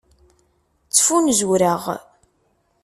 Ttfunzureɣ.